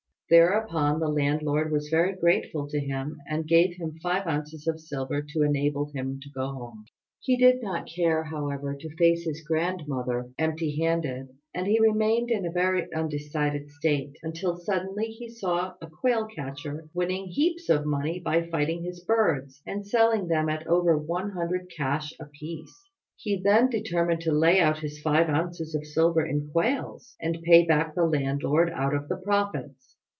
Thereupon the landlord was very grateful to him, and gave him five ounces of silver to enable him to go home. He did not care, however, to face his grandmother empty handed, and remained in a very undecided state, until suddenly he saw a quail catcher winning heaps of money by fighting his birds, and selling them at over 100 cash a piece. He then determined to lay out his five ounces of silver in quails, and pay back the landlord out of the profits.